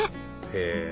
へえ！